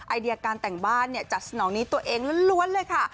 ไอเดียการแต่งบ้านเนี่ยจัดสนองนี้ตัวเองล้วนเลยค่ะ